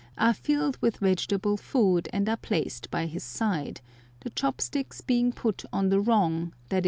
are filled with vegetable food and are placed by his side, the chopsticks being put on the wrong, _i.